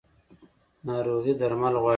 ناروغي درمل غواړي